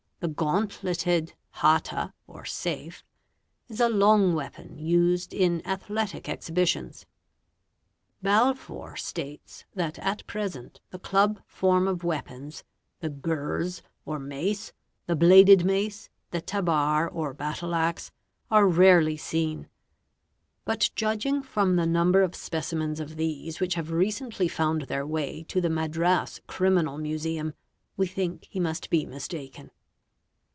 The gauntleted hata or saif is a long weapon used in athletic exhibitions. | 4 Balfour states that at present the club form of weapons, the gurz or mace, the bladed mace, the tabar or battle axe, are rarely seen, but judging from the number of specimens of these which have recently found their way to the Madras Criminal Museum we think he must be mistaken.